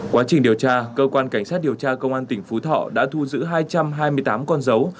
quá trình điều tra cơ quan cảnh sát điều tra công an tỉnh phú thọ đã thu giữ hai trăm hai mươi tám con dấu